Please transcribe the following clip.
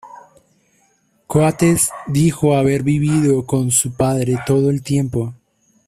Coates dijo haber vivido con su padre todo el tiempo.